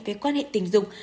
với quan hệ tình dục